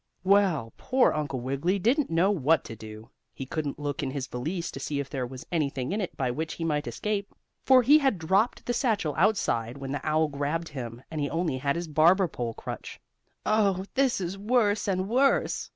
Well, poor Uncle Wiggily didn't know what to do. He couldn't look in his valise to see if there was anything in it by which he might escape, for he had dropped the satchel outside when the owl grabbed him, and he only had his barber pole crutch. "Oh, this is worse and worse!"